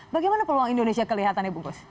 bagaimana peluang indonesia kelihatannya bungkus